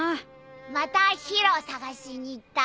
またヒロ捜しに行った。